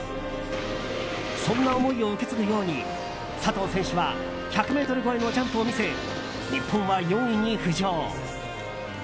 そんな思いを受け継ぐように佐藤選手は１００ｍ超えのジャンプを見せ日本は４位に浮上。